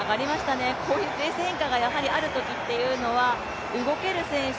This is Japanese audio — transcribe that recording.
こういうペース変化があるときというのは、動ける選手